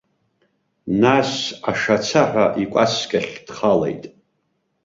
Нас ашацаҳәа акәаскьахь дхалеит.